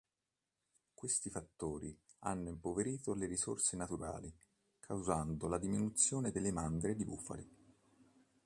Questi fattori hanno impoverito le risorse naturali causando la diminuzione delle mandrie di bufali.